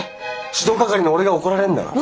指導係の俺が怒られるんだから。